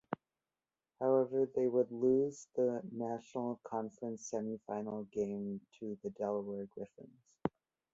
However, they would lose the National Conference Semifinal game to the Delaware Griffins.